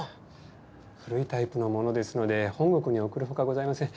古いタイプのものですので本国に送るほかございません。